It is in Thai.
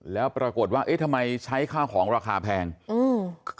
แล้วปรากฏว่าเอ๊ะทำไมใช้ข้าวของราคาแพงอืม